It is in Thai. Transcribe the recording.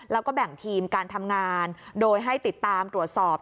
แล้วก็แบ่งทีมการทำงานโดยให้ติดตามตรวจสอบ